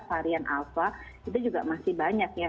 varian alpha itu juga masih banyak ya